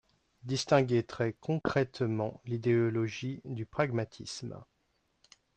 distinguer très concrètement l’idéologie du pragmatisme.